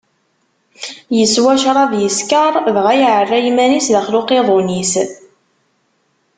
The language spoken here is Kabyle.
Iswa ccṛab, iskeṛ, dɣa iɛerra iman-is daxel n uqiḍun-is.